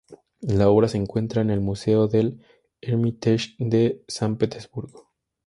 La obra se encuentra en el Museo del Hermitage de San Petersburgo.